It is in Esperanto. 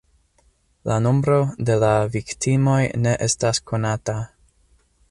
La nombro de la viktimoj ne estas konata.